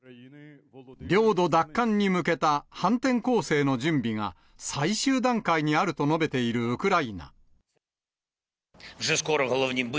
領土奪還に向けた反転攻勢の準備が最終段階にあると述べているウクライナ。